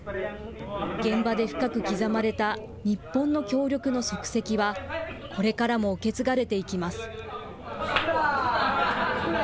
現場で深く刻まれた日本の協力の足跡は、これからも受け継がれていきます。